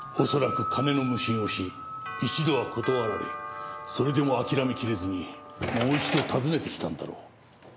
恐らく金の無心をし一度は断られそれでも諦めきれずにもう一度訪ねてきたんだろう。